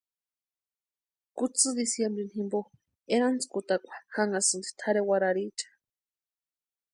Kutsï diciembrini jimpo erantskutakwa janhasïni tʼarhe warhariecha.